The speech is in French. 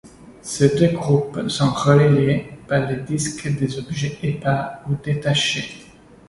Ces deux groupes sont reliés par le disque des objets épars ou détachés.